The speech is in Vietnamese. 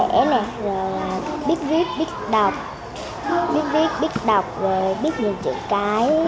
rồi là biết viết biết đọc biết viết biết đọc rồi biết nhiều chữ cái